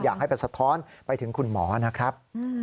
อยากให้ไปสะท้อนไปถึงคุณหมอนะครับ